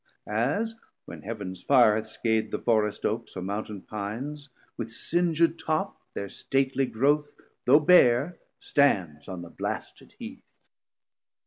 As when Heavens Fire Hath scath'd the Forrest Oaks, or Mountain Pines, With singed top their stately growth though bare Stands on the blasted Heath.